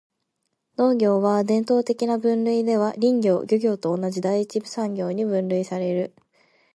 農業は、伝統的な分類では林業・漁業と同じ第一次産業に分類される。